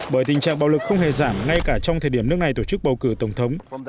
bởi tình trạng bạo lực không hề giảm ngay cả trong thời điểm nước này tổ chức bầu cử tổng thống